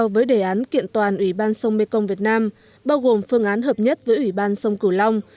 việc kiện toàn ủy ban sông mekong việt nam bao gồm phương án hợp nhất với ủy ban sông cửu long